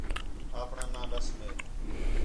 آپݨاں ناں ݙَس میک